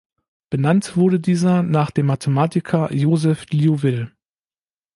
Benannt wurde dieser nach dem Mathematiker Joseph Liouville.